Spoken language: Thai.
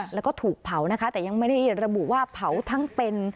แล้วก็ถูกเผานะคะแต่ยังไม่ได้ระบุว่าเผาทั้งเป็น